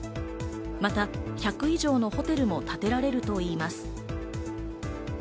また１００以上のホテルも建てられるといいます。